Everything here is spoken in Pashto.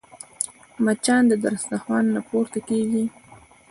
مچان د دسترخوان نه پورته کېږي